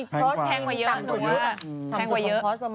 เค้าข้ามขับเกิน๘๐เหรอครับพ่อ